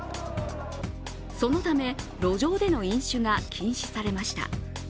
そのため路上での飲酒が禁止されました。